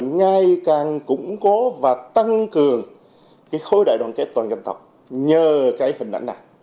ngày càng củng cố và tăng cường khối đại đoàn kết toàn dân tộc nhờ cái hình ảnh này